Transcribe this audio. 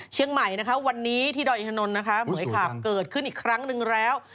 เชียงใหม่นะคะวันนี้ที่ดอยอินทนนท์นะคะเหมือยขาบเกิดขึ้นอีกครั้งหนึ่งแล้ว